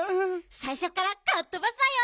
さいしょからかっとばすわよ！